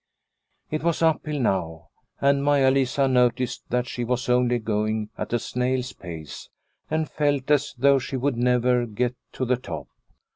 It was uphill now, and Maia Lisa noticed that she was only going at a snail's pace, and felt as though she would never get to the top.